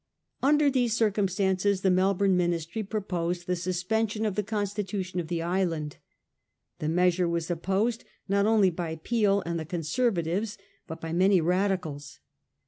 Under these circumstances the Melbourne Ministry proposed the suspension of the constitution of the island. The measure was opposed, not only by Peel and the Con servatives, but by many Radicals.